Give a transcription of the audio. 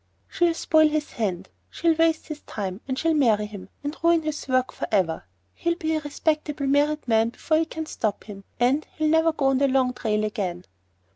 "She'll spoil his hand. She'll waste his time, and she'll marry him, and ruin his work for ever. He'll be a respectable married man before we can stop him, and—he'll never go on the long trail again."